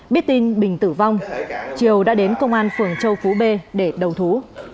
biết tin bình tử vong triều đã đến công an phường châu phú b để đầu thú